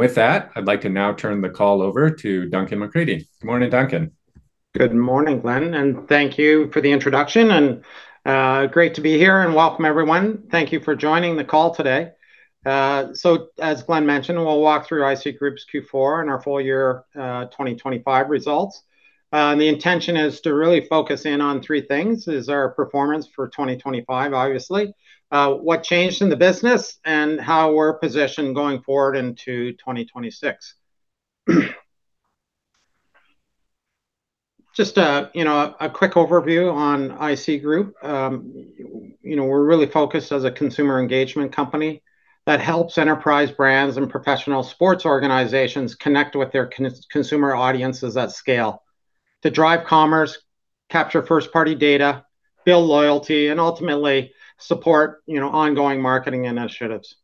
With that, I'd like to now turn the call over to Duncan McCready. Morning, Duncan. Good morning, Glenn, thank you for the introduction, great to be here and welcome everyone. Thank you for joining the call today. As Glenn mentioned, we'll walk through IC Group's Q4 and our full year 2025 results. The intention is to really focus in on three things, is our performance for 2025, obviously, what changed in the business, and how we're positioned going forward into 2026. Just a, you know, a quick overview on IC Group. You know, we're really focused as a consumer engagement company that helps enterprise brands and professional sports organizations connect with their consumer audiences at scale to drive commerce, capture first-party data, build loyalty, and ultimately support, you know, ongoing marketing initiatives.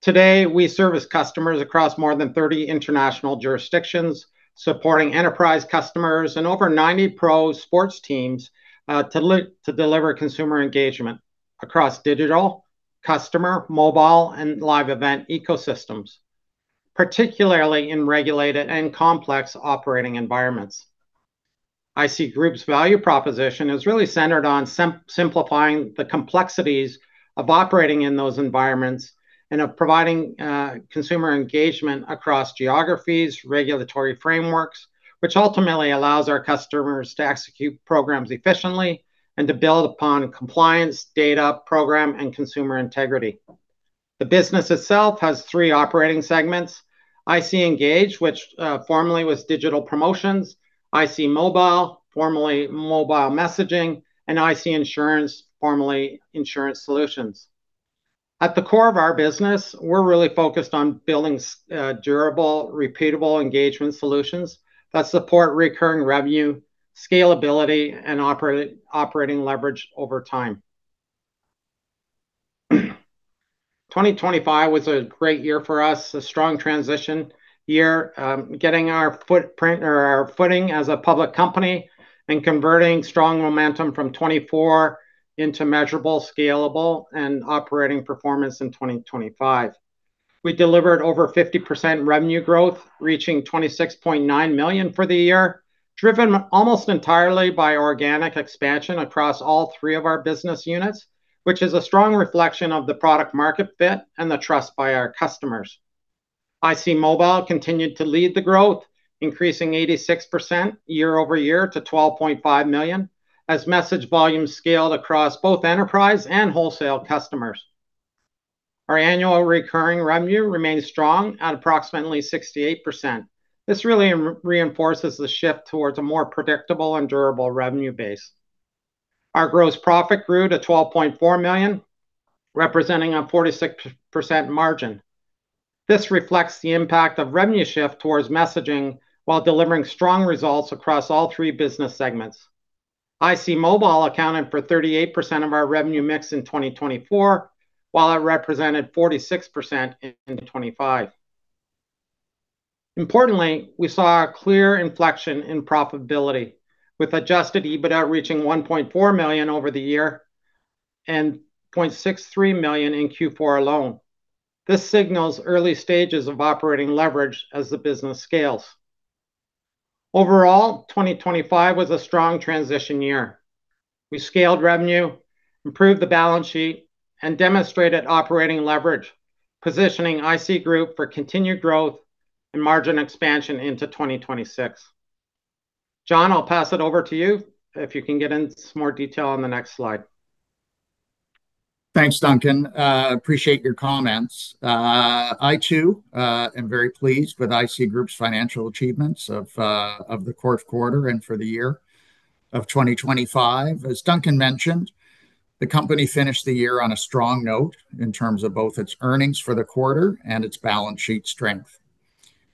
Today, we service customers across more than 30 international jurisdictions, supporting enterprise customers and over 90 pro sports teams, to deliver consumer engagement across digital, customer, mobile, and live event ecosystems, particularly in regulated and complex operating environments. IC Group's value proposition is really centered on simplifying the complexities of operating in those environments and of providing consumer engagement across geographies, regulatory frameworks, which ultimately allows our customers to execute programs efficiently and to build upon compliance, data, program, and consumer integrity. The business itself has three operating segments. IC Engage, which formerly was digital promotions, IC Mobile, formerly mobile messaging, and IC Insurance, formerly insurance solutions. At the core of our business, we're really focused on building durable, repeatable engagement solutions that support recurring revenue, scalability, and operating leverage over time. 2025 was a great year for us, a strong transition year, getting our footprint or our footing as a public company and converting strong momentum from 2024 into measurable, scalable, and operating performance in 2025. We delivered over 50% revenue growth, reaching 26.9 million for the year, driven almost entirely by organic expansion across all three of our business units, which is a strong reflection of the product market fit and the trust by our customers. IC Mobile continued to lead the growth, increasing 86% year-over-year to 12.5 million, as message volume scaled across both enterprise and wholesale customers. Our annual recurring revenue remains strong at approximately 68%. This really reinforces the shift towards a more predictable and durable revenue base. Our gross profit grew to 12.4 million, representing a 46% margin. This reflects the impact of revenue shift towards messaging while delivering strong results across all three business segments. IC Mobile accounted for 38% of our revenue mix in 2024, while it represented 46% in 2025. Importantly, we saw a clear inflection in profitability, with adjusted EBITDA reaching 1.4 million over the year and 0.63 million in Q4 alone. This signals early stages of operating leverage as the business scales. Overall, 2025 was a strong transition year. We scaled revenue, improved the balance sheet, and demonstrated operating leverage, positioning IC Group for continued growth and margin expansion into 2026. John, I'll pass it over to you, if you can get into some more detail on the next slide. Thanks, Duncan. Appreciate your comments. I too am very pleased with IC Group's financial achievements of the fourth quarter and for the year of 2025. As Duncan mentioned, the company finished the year on a strong note in terms of both its earnings for the quarter and its balance sheet strength.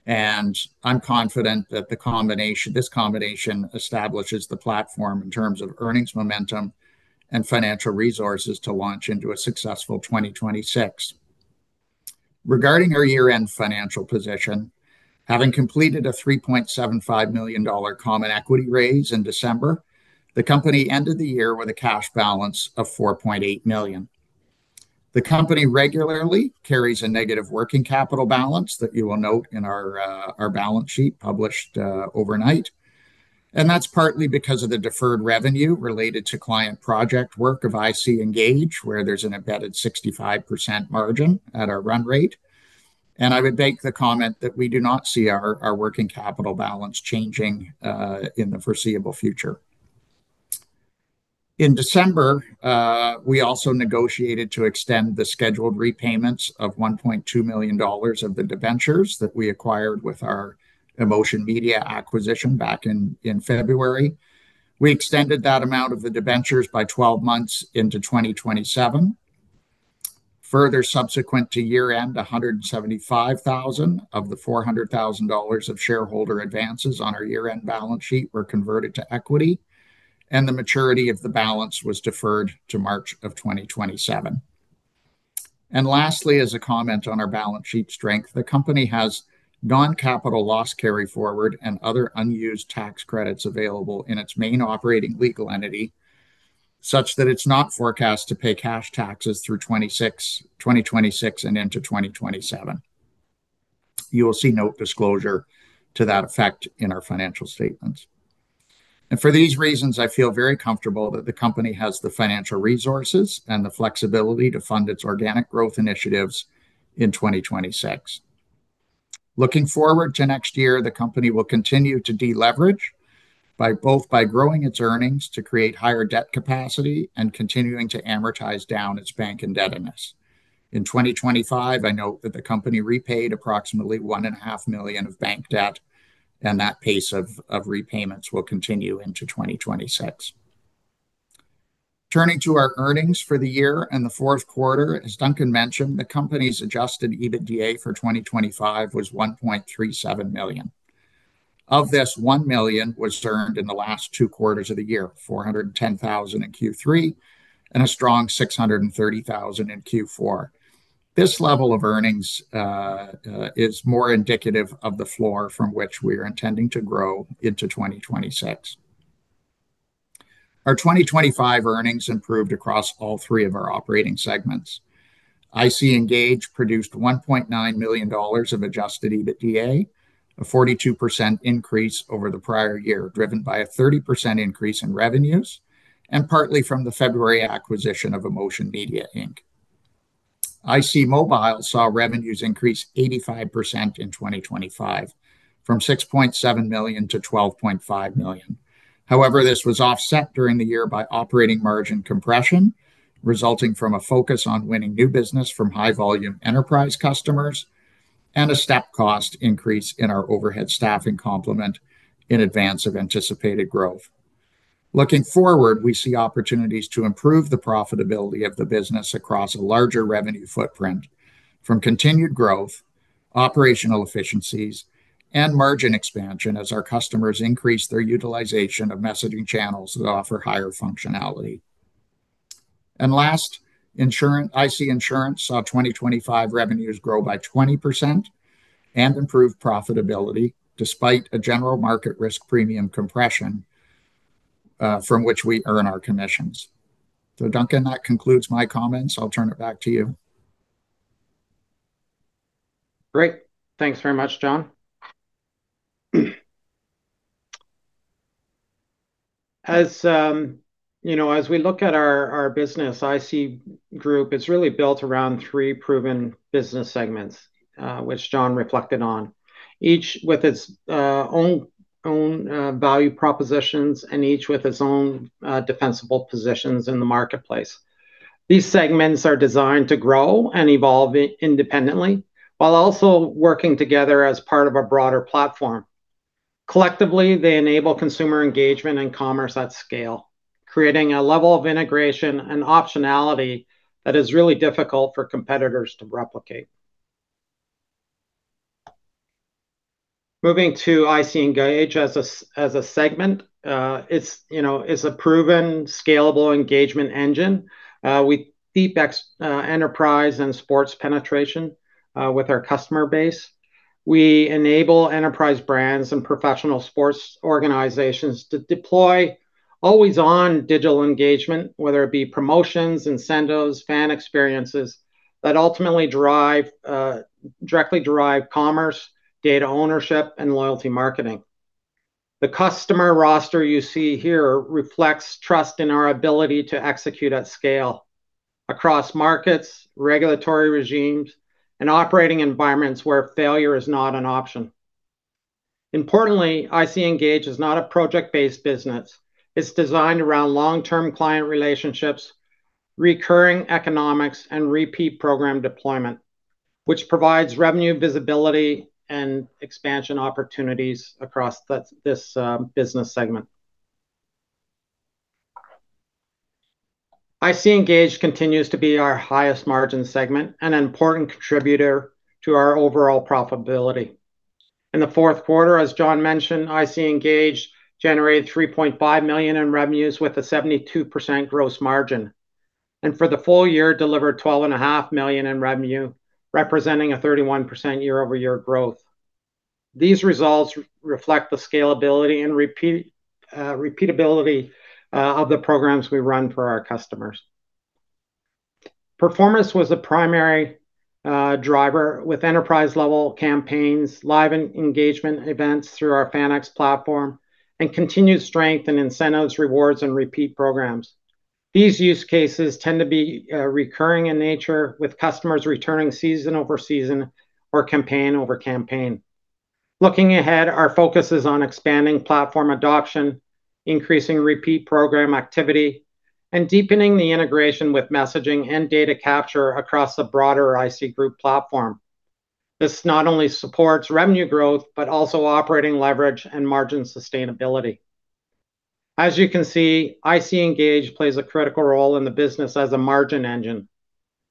I'm confident that the combination, this combination establishes the platform in terms of earnings momentum and financial resources to launch into a successful 2026. Regarding our year-end financial position, having completed a 3.75 million dollar common equity raise in December, the company ended the year with a cash balance of 4.8 million. The company regularly carries a negative working capital balance that you will note in our balance sheet published overnight, and that's partly because of the deferred revenue related to client project work of IC Engage, where there's an embedded 65% margin at our run rate. I would make the comment that we do not see our working capital balance changing in the foreseeable future. In December, we also negotiated to extend the scheduled repayments of 1.2 million dollars of the debentures that we acquired with our Emotion Media acquisition back in February. We extended that amount of the debentures by 12 months into 2027. Further subsequent to year-end, 175,000 of the 400,000 dollars of shareholder advances on our year-end balance sheet were converted to equity, and the maturity of the balance was deferred to March of 2027. Lastly, as a comment on our balance sheet strength, the company has non-capital loss carry-forward and other unused tax credits available in its main operating legal entity, such that it's not forecast to pay cash taxes through 2026 and into 2027. You will see note disclosure to that effect in our financial statements. For these reasons, I feel very comfortable that the company has the financial resources and the flexibility to fund its organic growth initiatives in 2026. Looking forward to next year, the company will continue to deleverage by growing its earnings to create higher debt capacity and continuing to amortize down its bank indebtedness. In 2025, I note that the company repaid approximately 1.5 million of bank debt, and that pace of repayments will continue into 2026. Turning to our earnings for the year and the fourth quarter, as Duncan mentioned, the company's adjusted EBITDA for 2025 was 1.37 million. Of this, 1 million was earned in the last two quarters of the year, 410,000 in Q3, and a strong 630,000 in Q4. This level of earnings is more indicative of the floor from which we are intending to grow into 2026. Our 2025 earnings improved across all three of our operating segments. IC Engage produced 1.9 million dollars of adjusted EBITDA, a 42% increase over the prior year, driven by a 30% increase in revenues, and partly from the February acquisition of Emotion Media Inc. IC Mobile saw revenues increase 85% in 2025 from 6.7 million to 12.5 million. This was offset during the year by operating margin compression, resulting from a focus on winning new business from high volume enterprise customers and a step cost increase in our overhead staffing complement in advance of anticipated growth. Looking forward, we see opportunities to improve the profitability of the business across a larger revenue footprint from continued growth, operational efficiencies, and margin expansion as our customers increase their utilization of messaging channels that offer higher functionality. Last, IC Insurance saw 2025 revenues grow by 20% and improve profitability despite a general market risk premium compression, from which we earn our commissions. Duncan, that concludes my comments. I'll turn it back to you. Great. Thanks very much, John. As, you know, as we look at our business, IC Group is really built around three proven business segments, which John reflected on. Each with its own value propositions and each with its own defensible positions in the marketplace. These segments are designed to grow and evolve independently while also working together as part of a broader platform. Collectively, they enable consumer engagement and commerce at scale, creating a level of integration and optionality that is really difficult for competitors to replicate. Moving to IC Engage as a segment, it's, you know, is a proven scalable engagement engine with deep enterprise and sports penetration with our customer base. We enable enterprise brands and professional sports organizations to deploy always-on digital engagement, whether it be promotions, incentives, fan experiences that ultimately drive directly drive commerce, data ownership, and loyalty marketing. The customer roster you see here reflects trust in our ability to execute at scale across markets, regulatory regimes, and operating environments where failure is not an option. Importantly, IC Engage is not a project-based business. It's designed around long-term client relationships, recurring economics, and repeat program deployment, which provides revenue visibility and expansion opportunities across this business segment. IC Engage continues to be our highest margin segment, an important contributor to our overall profitability. In the fourth quarter, as John mentioned, IC Engage generated 3.5 million in revenues with a 72% gross margin. For the full year, delivered 12.5 million in revenue, representing a 31% year-over-year growth. These results reflect the scalability and repeat, repeatability of the programs we run for our customers. Performance was a primary driver with enterprise-level campaigns, live engagement events through our Fannex platform, and continued strength in incentives, rewards, and repeat programs. These use cases tend to be recurring in nature with customers returning season over season or campaign over campaign. Looking ahead, our focus is on expanding platform adoption, increasing repeat program activity, and deepening the integration with messaging and data capture across the broader IC Group platform. This not only supports revenue growth, but also operating leverage and margin sustainability. As you can see, IC Engage plays a critical role in the business as a margin engine,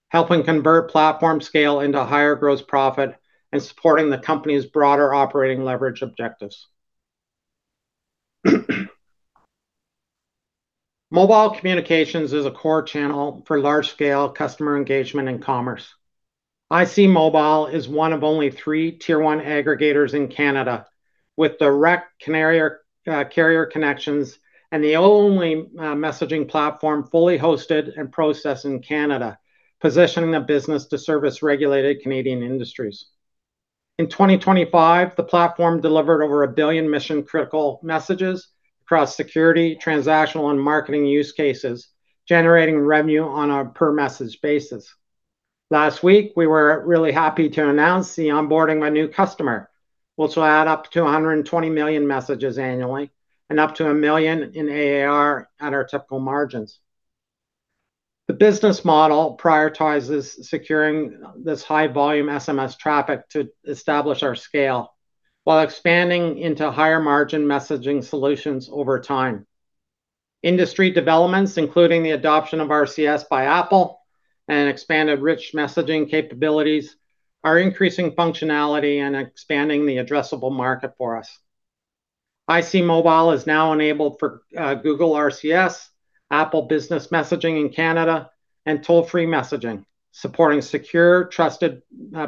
helping convert platform scale into higher gross profit and supporting the company's broader operating leverage objectives. Mobile communications is a core channel for large scale customer engagement and commerce. IC Mobile is one of only three tier one aggregators in Canada with direct carrier connections and the only messaging platform fully hosted and processed in Canada, positioning the business to service regulated Canadian industries. In 2025, the platform delivered over 1 billion mission-critical messages across security, transactional, and marketing use cases, generating revenue on a per message basis. Last week, we were really happy to announce the onboarding of a new customer, which will add up to 120 million messages annually and up to 1 million in ARR at our typical margins. The business model prioritizes securing this high volume SMS traffic to establish our scale while expanding into higher margin messaging solutions over time. Industry developments, including the adoption of RCS by Apple and expanded rich messaging capabilities, are increasing functionality and expanding the addressable market for us. IC Mobile is now enabled for Google RCS, Apple Business Chat in Canada, and toll-free messaging, supporting secure, trusted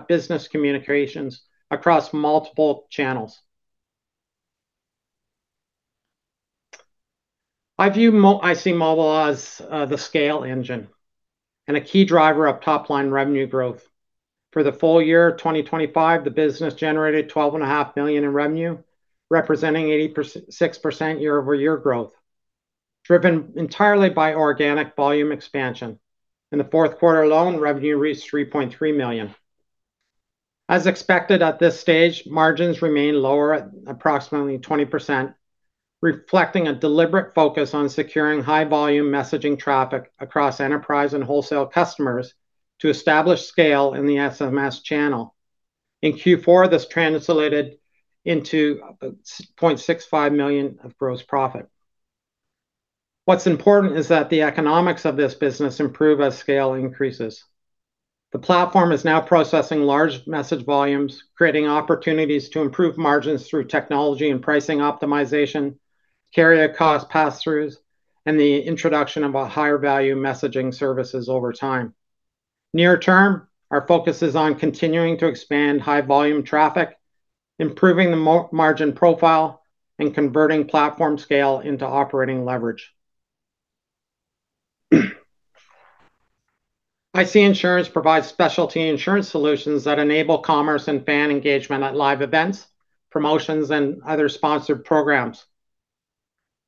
business communications across multiple channels. I view IC Mobile as the scale engine and a key driver of top-line revenue growth. For the full year 2025, the business generated 12.5 million in revenue, representing 86% year-over-year growth, driven entirely by organic volume expansion. In the fourth quarter alone, revenue reached 3.3 million. As expected at this stage, margins remain lower at approximately 20%, reflecting a deliberate focus on securing high volume messaging traffic across enterprise and wholesale customers to establish scale in the SMS channel. In Q4, this translated into 0.65 million of gross profit. What's important is that the economics of this business improve as scale increases. The platform is now processing large message volumes, creating opportunities to improve margins through technology and pricing optimization, carrier cost passthroughs, and the introduction of a higher value messaging services over time. Near term, our focus is on continuing to expand high volume traffic, improving the margin profile, and converting platform scale into operating leverage. IC Insurance provides specialty insurance solutions that enable commerce and fan engagement at live events, promotions, and other sponsored programs.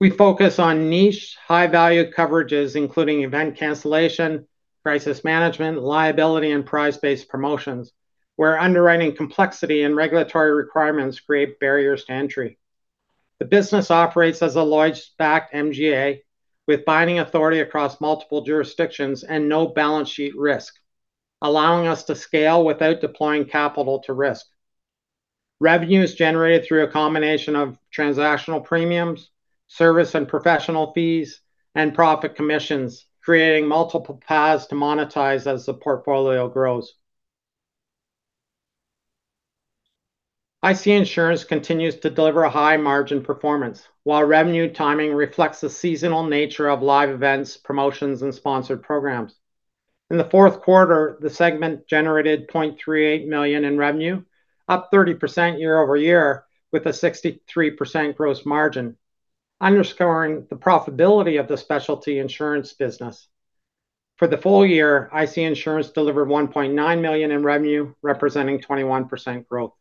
We focus on niche, high-value coverages, including event cancellation, crisis management, liability, and prize-based promotions, where underwriting complexity and regulatory requirements create barriers to entry. The business operates as a Lloyd's backed MGA with binding authority across multiple jurisdictions and no balance sheet risk, allowing us to scale without deploying capital to risk. Revenue is generated through a combination of transactional premiums, service and professional fees, and profit commissions, creating multiple paths to monetize as the portfolio grows. IC Insurance continues to deliver a high margin performance, while revenue timing reflects the seasonal nature of live events, promotions, and sponsored programs. In the fourth quarter, the segment generated 0.38 million in revenue, up 30% year-over-year with a 63% gross margin, underscoring the profitability of the specialty insurance business. For the full year, IC Insurance delivered 1.9 million in revenue, representing 21% growth.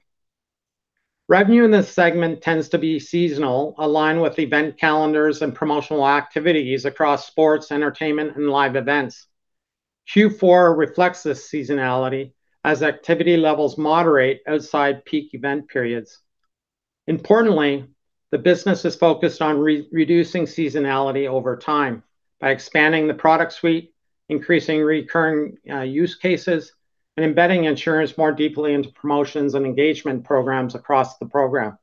Revenue in this segment tends to be seasonal, aligned with event calendars and promotional activities across sports, entertainment, and live events. Q4 reflects this seasonality as activity levels moderate outside peak event periods. Importantly, the business is focused on re-reducing seasonality over time by expanding the product suite, increasing recurring use cases, and embedding insurance more deeply into promotions and engagement programs across the program.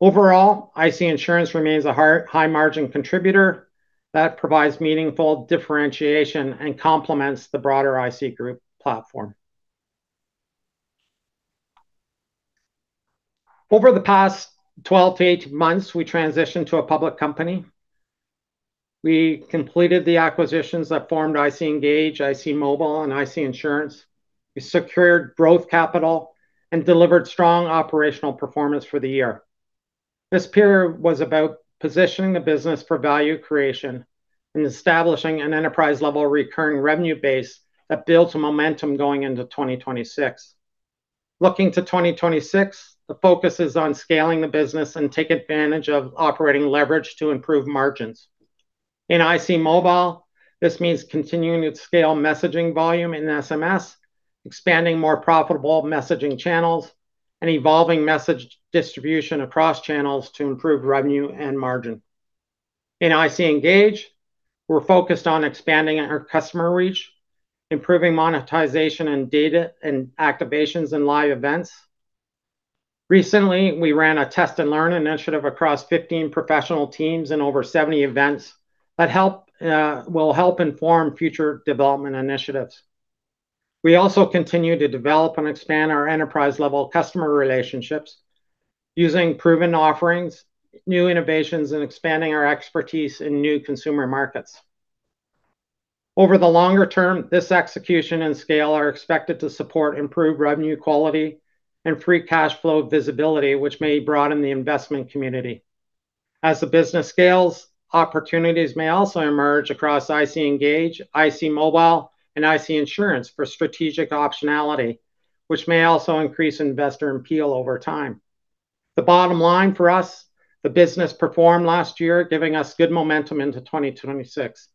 Overall, IC Insurance remains a high margin contributor that provides meaningful differentiation and complements the broader IC Group platform. Over the past 12 to 18 months, we transitioned to a public company. We completed the acquisitions that formed IC Engage, IC Mobile, and IC Insurance. We secured growth capital and delivered strong operational performance for the year. This period was about positioning the business for value creation and establishing an enterprise-level recurring revenue base that builds momentum going into 2026. Looking to 2026, the focus is on scaling the business and take advantage of operating leverage to improve margins. In IC Mobile, this means continuing to scale messaging volume in SMS, expanding more profitable messaging channels, and evolving message distribution across channels to improve revenue and margin. In IC Engage, we're focused on expanding our customer reach, improving monetization and data and activations in live events. Recently, we ran a test and learn initiative across 15 professional teams and over 70 events that will help inform future development initiatives. We also continue to develop and expand our enterprise-level customer relationships. Using proven offerings, new innovations, and expanding our expertise in new consumer markets. Over the longer term, this execution and scale are expected to support improved revenue quality and free cash flow visibility, which may broaden the investment community. As the business scales, opportunities may also emerge across IC Engage, IC Mobile, and IC Insurance for strategic optionality, which may also increase investor appeal over time. The bottom line for us, the business performed last year, giving us good momentum into 2026.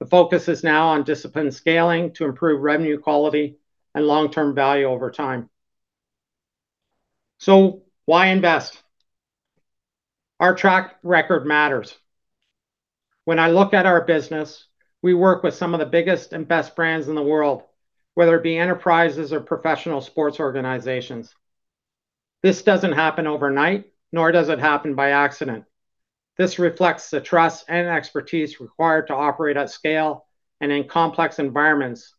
The focus is now on disciplined scaling to improve revenue quality and long-term value over time. Why invest? Our track record matters. When I look at our business, we work with some of the biggest and best brands in the world, whether it be enterprises or professional sports organizations. This doesn't happen overnight, nor does it happen by accident. This reflects the trust and expertise required to operate at scale and in complex environments.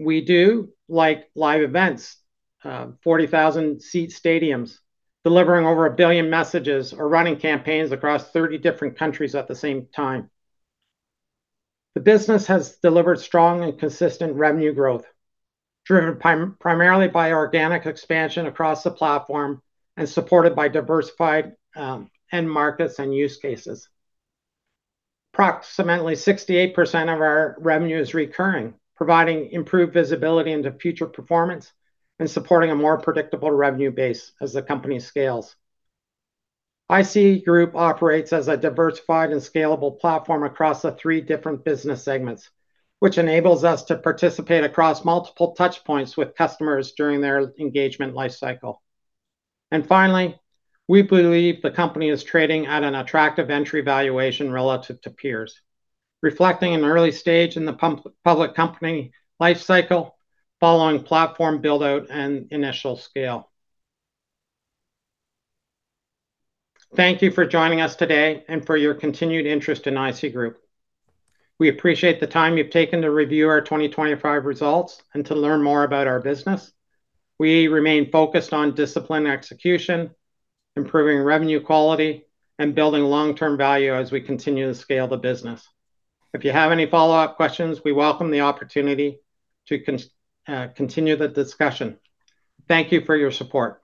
We do like live events, 40,000-seat stadiums, delivering over 1 billion messages or running campaigns across 30 different countries at the same time. The business has delivered strong and consistent revenue growth, driven primarily by organic expansion across the platform and supported by diversified end markets and use cases. Approximately 68% of our revenue is recurring, providing improved visibility into future performance and supporting a more predictable revenue base as the company scales. IC Group operates as a diversified and scalable platform across the three different business segments, which enables us to participate across multiple touchpoints with customers during their engagement lifecycle. Finally, we believe the company is trading at an attractive entry valuation relative to peers, reflecting an early stage in the public company life cycle following platform build-out and initial scale. Thank you for joining us today and for your continued interest in IC Group. We appreciate the time you've taken to review our 2025 results and to learn more about our business. We remain focused on disciplined execution, improving revenue quality, and building long-term value as we continue to scale the business. If you have any follow-up questions, we welcome the opportunity to continue the discussion. Thank you for your support.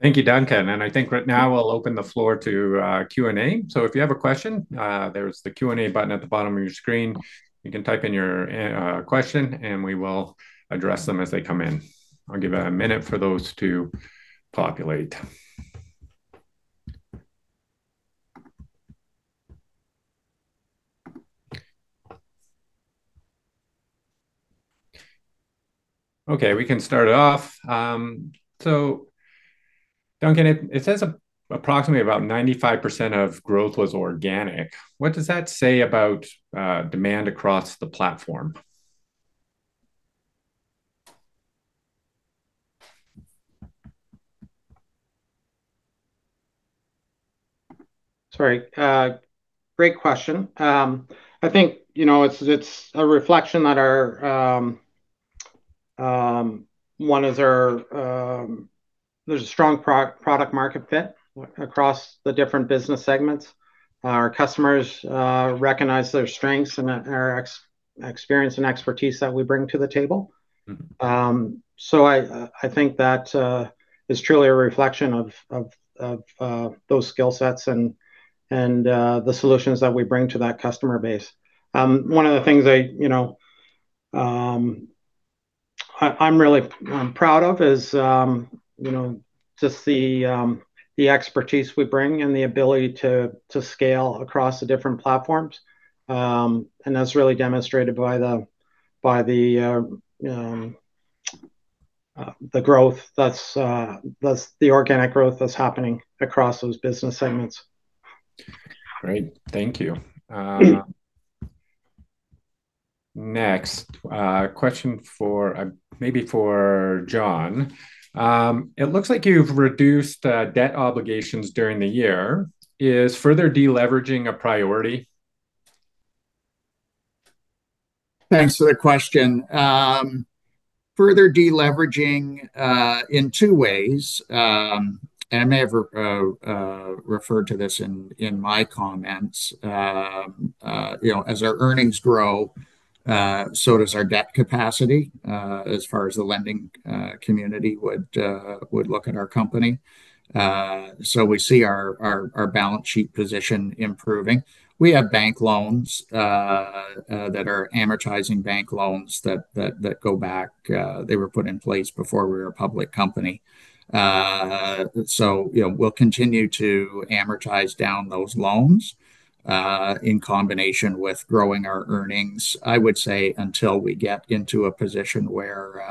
Thank you, Duncan, and I think right now I'll open the floor to Q&A. If you have a question, there's the Q&A button at the bottom of your screen. You can type in your question, and we will address them as they come in. I'll give it a minute for those to populate. Okay, we can start it off. Duncan, it says approximately about 95% of growth was organic. What does that say about demand across the platform? Sorry, great question. I think, you know, it's a reflection that our, there's a strong pro-product market fit across the different business segments. Our customers, recognize their strengths and, our experience and expertise that we bring to the table. Mm-hmm. I think that is truly a reflection of those skill sets and the solutions that we bring to that customer base. One of the things I, you know, I'm really proud of is, you know, just the expertise we bring and the ability to scale across the different platforms. That's really demonstrated by the growth that's the organic growth that's happening across those business segments. Great. Thank you. Next, question for maybe for John. It looks like you've reduced debt obligations during the year. Is further deleveraging a priority? Thanks for the question. Further deleveraging in two ways, and I may have referred to this in my comments. You know, as our earnings grow, so does our debt capacity, as far as the lending community would look at our company. We see our balance sheet position improving. We have bank loans that are amortizing bank loans that go back, they were put in place before we were a public company. You know, we'll continue to amortize down those loans, in combination with growing our earnings, I would say, until we get into a position where,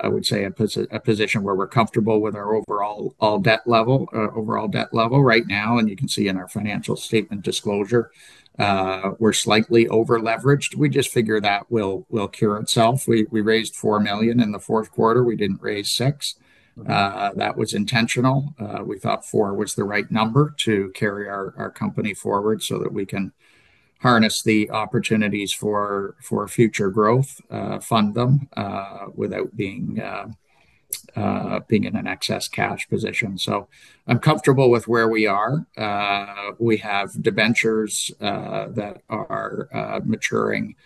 I would say a position where we're comfortable with our overall debt level, overall debt level right now, and you can see in our financial statement disclosure, we're slightly over-leveraged. We just figure that will cure itself. We, we raised 4 million in the fourth quarter. We didn't raise 6 million. That was intentional. We thought 4 million was the right number to carry our company forward so that we can harness the opportunities for future growth, fund them, without being. Being in an excess cash position. I'm comfortable with where we are. We have debentures that are maturing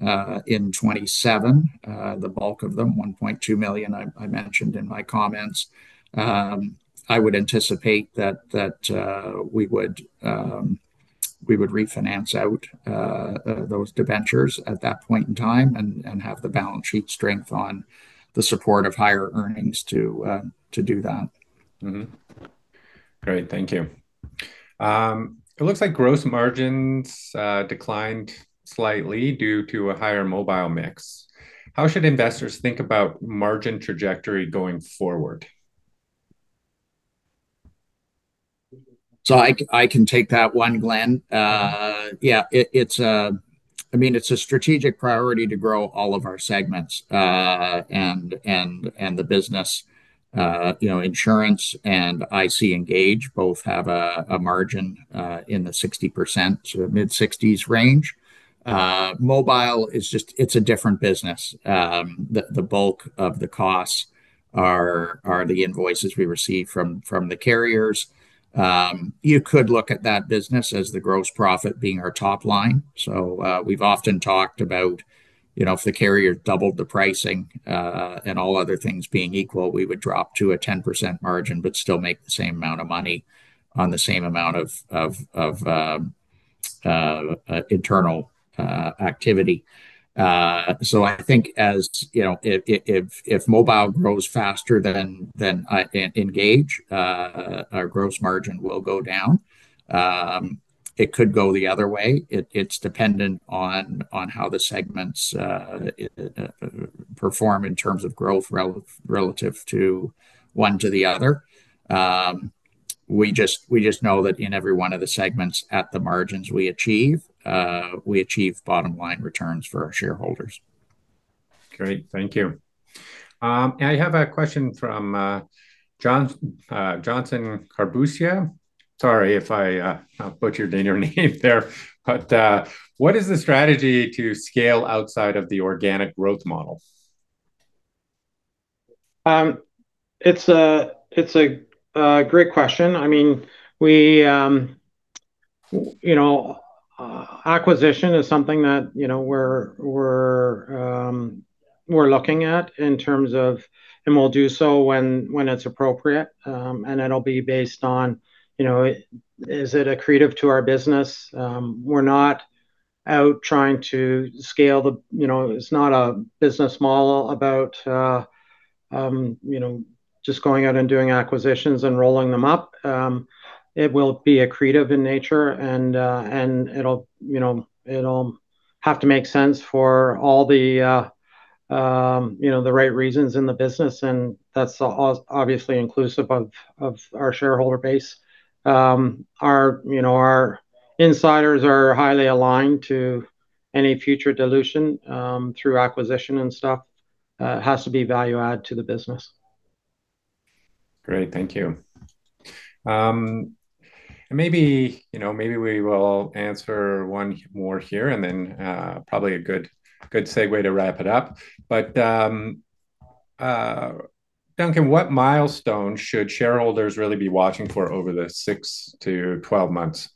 in 2027, the bulk of them, 1.2 million, I mentioned in my comments. I would anticipate that we would refinance out those debentures at that point in time and have the balance sheet strength on the support of higher earnings to do that. Great. Thank you. It looks like gross margins declined slightly due to a higher mobile mix. How should investors think about margin trajectory going forward? I can take that one, Glenn. I mean, it's a strategic priority to grow all of our segments and the business, you know, IC Insurance and IC Engage both have a margin in the 60% to mid-60s range. IC Mobile is just, it's a different business. The bulk of the costs are the invoices we receive from the carriers. You could look at that business as the gross profit being our top line. We've often talked about, you know, if the carrier doubled the pricing and all other things being equal, we would drop to a 10% margin but still make the same amount of money on the same amount of internal activity. I think as, you know, if, if mobile grows faster than IC Engage, our gross margin will go down. It could go the other way. It's dependent on how the segments perform in terms of growth relative to one to the other. We just know that in every one of the segments at the margins we achieve, we achieve bottom line returns for our shareholders. Great. Thank you. I have a question from Johnson Carbuccia. Sorry if I butchered your name there. What is the strategy to scale outside of the organic growth model? It's a great question. I mean, we, you know, acquisition is something that, you know, we're looking at in terms of. We'll do so when it's appropriate. It'll be based on, you know, is it accretive to our business? We're not out trying to scale the. You know, it's not a business model about, you know, just going out and doing acquisitions and rolling them up. It will be accretive in nature and it'll, you know, it'll have to make sense for all the, you know, the right reasons in the business, and that's obviously inclusive of our shareholder base. Our, you know, our insiders are highly aligned to any future dilution through acquisition and stuff. It has to be value add to the business. Great. Thank you. Maybe, you know, maybe we will answer one more here and then, probably a good segue to wrap it up. Duncan, what milestones should shareholders really be watching for over the six to 12 months?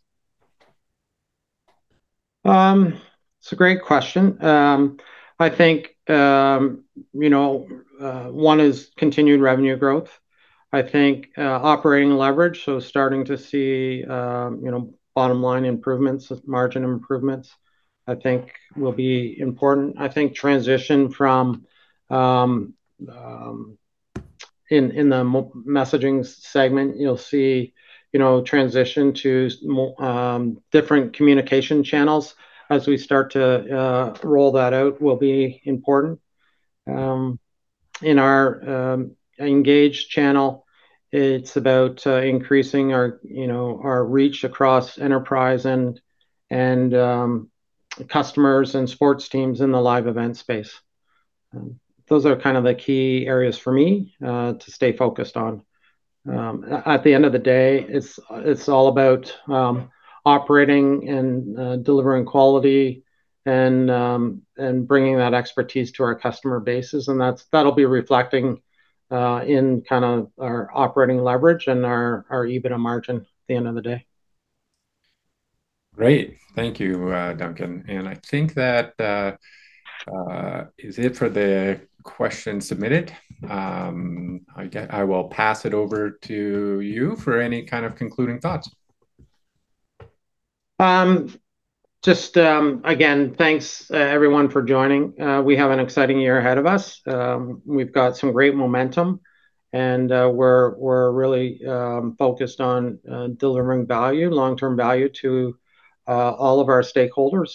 It's a great question. I think, you know, one is continued revenue growth. I think operating leverage, so starting to see, you know, bottom line improvements, margin improvements, I think will be important. I think transition from, in the messaging segment, you'll see, you know, transition to different communication channels as we start to roll that out will be important. In our Engage channel, it's about increasing our, you know, our reach across enterprise and customers and sports teams in the live event space. Those are kind of the key areas for me to stay focused on. At the end of the day, it's all about operating and delivering quality and bringing that expertise to our customer bases, and that's, that'll be reflecting in kinda our operating leverage and our EBITDA margin at the end of the day. Great. Thank you, Duncan, and I think that is it for the questions submitted. I will pass it over to you for any kind of concluding thoughts. Again, thanks everyone for joining. We have an exciting year ahead of us. We've got some great momentum, we're really focused on delivering value, long-term value to all of our stakeholders.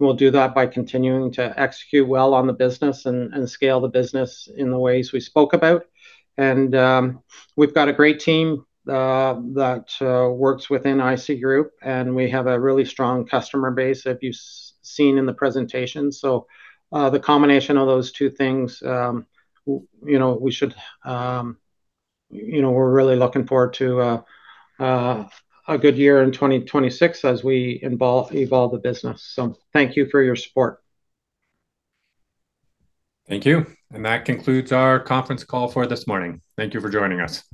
We'll do that by continuing to execute well on the business and scale the business in the ways we spoke about. We've got a great team that works within IC Group, and we have a really strong customer base if you seen in the presentation. The combination of those two things, you know, we should, you know, we're really looking forward to a good year in 2026 as we evolve the business. Thank you for your support. Thank you. That concludes our conference call for this morning. Thank you for joining us.